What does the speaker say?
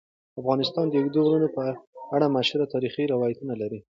افغانستان د اوږده غرونه په اړه مشهور تاریخی روایتونه لري.